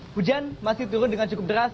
hujan masih turun dengan cukup deras